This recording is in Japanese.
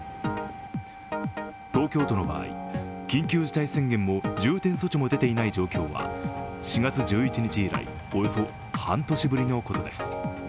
東京都の場合、緊急事態宣言も重点措置も出ていない状況は４月１１日以来、およそ半年ぶりのことです。